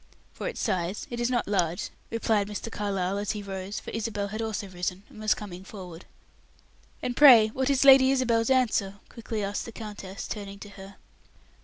"For its size; it is not large," replied Mr. Carlyle, as he rose for Isabel had also risen and was coming forward. "And pray what is Lady Isabel's answer?" quickly asked the countess, turning to her.